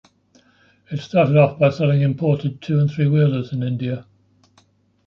It started off by selling imported two- and three-wheelers in India.